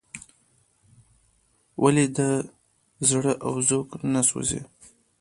ولې د ده زړه او ذوق نه سوزي.